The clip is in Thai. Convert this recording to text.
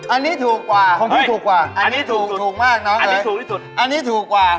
อันนี้ถูกกว่าของพี่ถูกกว่า